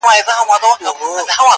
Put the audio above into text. تك سپين زړگي ته دي پوښ تور جوړ كړی_